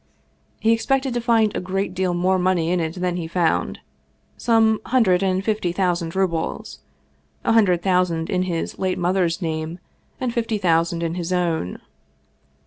He expected to find a great deal more money in it than he found some hundred and fifty thousand rubles ; a hun dred thousand in his late mother's name, and fifty thou sand in his own.